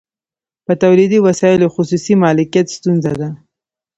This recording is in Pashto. په تولیدي وسایلو خصوصي مالکیت ستونزه ده